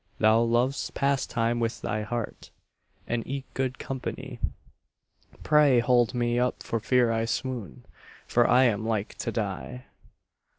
Thou lovedst pastime with thy heart, And eke good company; Pray hold me up for fear I swoon, For I am like to die.